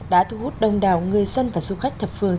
đã thu hút đông đảo người dân và du khách thập phương